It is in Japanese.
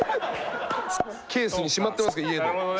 ケースにしまってますから家で。